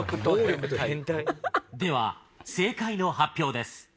では正解の発表です。